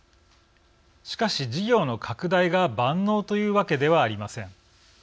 しかし事業の拡大が万能というわけではありません。